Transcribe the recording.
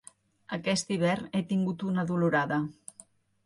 Aquest hivern he tingut una dolorada.